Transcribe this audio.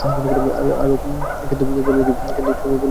আরে, কিন্তু বলবো কী পুলিশদের?